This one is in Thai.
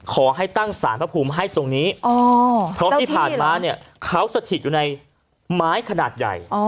ขอให้ตั้งสารพระภูมิให้ตรงนี้เพราะที่ผ่านมาเนี่ยเขาสถิตอยู่ในไม้ขนาดใหญ่